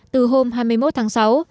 từ hôm hai mươi một tháng sáu